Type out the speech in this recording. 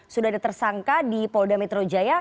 sudah ada tersangka di polda metro jaya